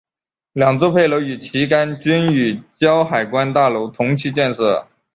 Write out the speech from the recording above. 两座配楼与旗杆均与胶海关大楼同期建设。